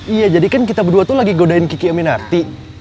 iya jadi kan kita berdua lagi godain kiki aminarti